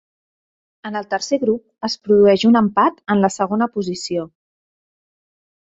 En el tercer grup es produeix un empat en la segona posició.